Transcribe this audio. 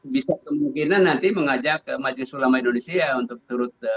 bisa kemungkinan nanti mengajak majlis ulama indonesia untuk turut